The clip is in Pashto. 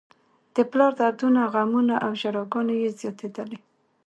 د پلار دردونه، غمونه او ژړاګانې یې زياتېدلې.